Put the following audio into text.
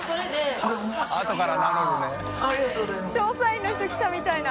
調査員の人来たみたいな。